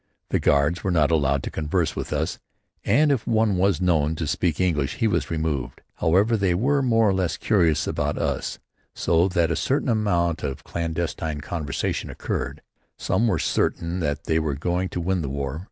The guards were not allowed to converse with us, and if one was known to speak English he was removed. However, they were more or less curious about us so that a certain amount of clandestine conversation occurred. Some were certain that they were going to win the war.